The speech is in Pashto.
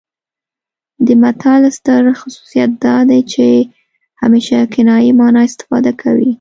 د متل ستر خصوصیت دا دی چې همیشه کنايي مانا افاده کوي